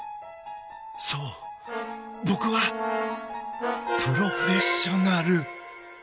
そう、僕はプロフェッショナル。